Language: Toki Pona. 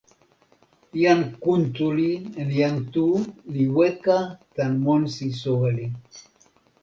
jan Kuntuli en jan Tu li weka tan monsi soweli.